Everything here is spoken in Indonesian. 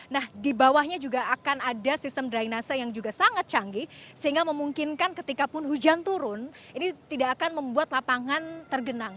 nah di bawahnya juga akan ada sistem drainase yang juga sangat canggih sehingga memungkinkan ketika pun hujan turun ini tidak akan membuat lapangan tergenang